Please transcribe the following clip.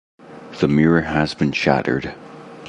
The mirror has been shattered.